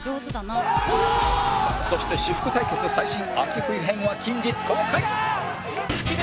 そして私服対決最新秋・冬編は近日公開！